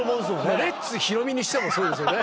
レッツひろみにしてもそうですよね。